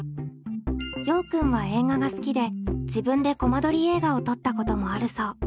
ようくんは映画が好きで自分でコマ撮り映画を撮ったこともあるそう。